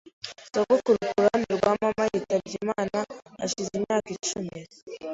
Sogokuru kuruhande rwa mama yitabye Imana hashize imyaka icumi.